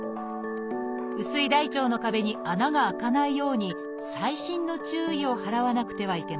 薄い大腸の壁に穴が開かないように細心の注意を払わなくてはいけません。